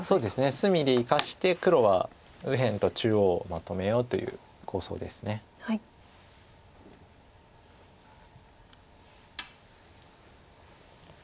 隅で生かして黒は右辺と中央まとめようという構想です。